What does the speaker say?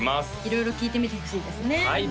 色々聴いてみてほしいですねはい